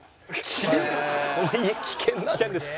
この家危険なんですか？